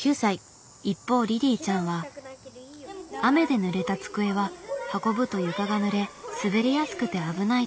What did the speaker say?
一方りりぃちゃんは雨でぬれた机は運ぶと床がぬれ滑りやすくて危ないと反対らしい。